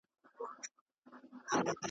را یادېږي دي خواږه خواږه قولونه .